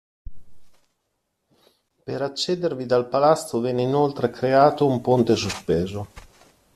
Per accedervi dal palazzo venne inoltre creato un ponte sospeso.